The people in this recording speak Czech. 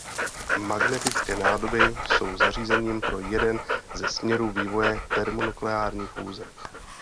Magnetické nádoby jsou zařízením pro jeden ze směrů vývoje termonukleární fúze.